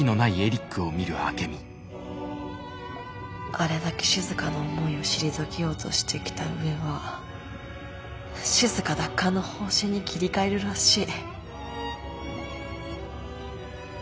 あれだけしずかの思いを退けようとしてきた上はしずか奪還の方針に切り替えるらしい。